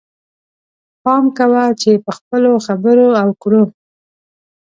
پام کوه چې په خپلو خبرو او کړو.